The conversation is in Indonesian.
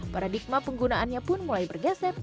paradigma penggunaannya pun mulai bergeser